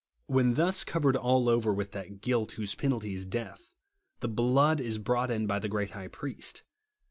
When thus covered all over with that guilt whose penalty is death, the blood is brought in by the great High Priest.